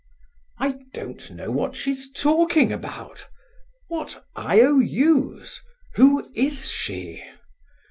"I don't know what she's talking about! What IOU's? Who is she?"